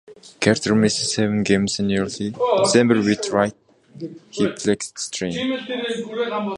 Carter missed seven games in early December with a right hip flexor strain.